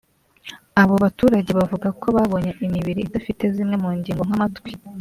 abo baturage bavuga ko babonye imibiri idafite zimwe mu ngingo nk’amatwi